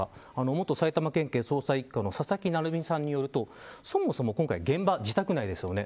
元埼玉県警捜査一課の佐々木成三さんによるとそもそも現場が自宅内ですよね。